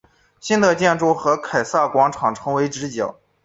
新的建筑和凯撒广场成为直角。